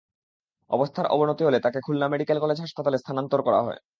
অবস্থার অবনতি হলে তাঁকে খুলনা মেডিকেল কলেজ হাসপাতালে স্থানান্তর করা হয়।